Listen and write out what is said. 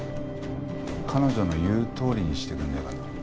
彼女の言うとおりにしてくんねえかな。